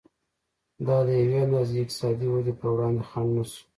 دا د یوې اندازې اقتصادي ودې پر وړاندې خنډ نه شو.